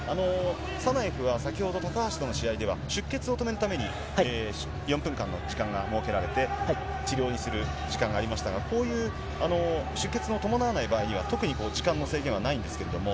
サナエフは先ほど、高橋との試合では出血を止めるために、４分間の時間が設けられて、治療する時間がありましたが、こういう出血を伴わない場合には、特に時間の制限はないんですけれども。